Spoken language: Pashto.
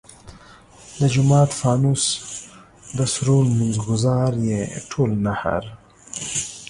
د جومات فانوس د سرو لمونځ ګزار ئې ټول نهر !